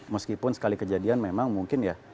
meskipun sekali kejadian memang mungkin ya